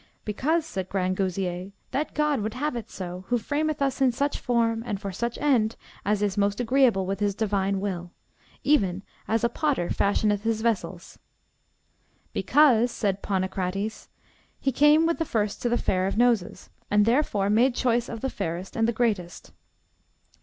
Because, said Grangousier, that God would have it so, who frameth us in such form and for such end as is most agreeable with his divine will, even as a potter fashioneth his vessels. Because, said Ponocrates, he came with the first to the fair of noses, and therefore made choice of the fairest and the greatest.